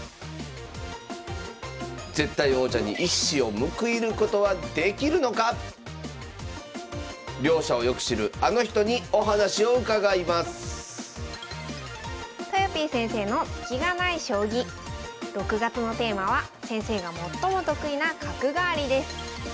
絶対王者に一矢を報いることはできるのか⁉両者をよく知るあの人にお話を伺いますとよぴー先生の「スキがない将棋」６月のテーマは先生が最も得意な「角換わり」です